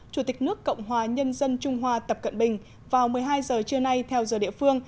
chủ tịch nước cộng hòa nhân dân trung hoa tập cận bình vào một mươi hai giờ trưa nay theo giờ địa phương